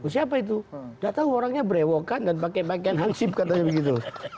siapa itu tidak tahu orangnya berewokan dan pakai pakaian hansip katanya begitu